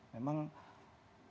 memang ini sungguh sungguh salah